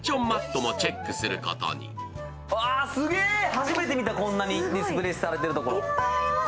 初めて見た、こんなにディスプレーされているとこ。